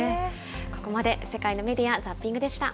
ここまで世界のメディア・ザッピングでした。